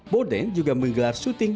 borden juga menggelar syuting